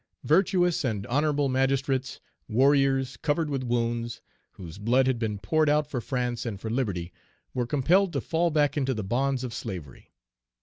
Virtuous and honorable magistrates, warriors covered with wounds, whose blood had been poured out for France and for liberty, were compelled to fall back into the bonds of slavery.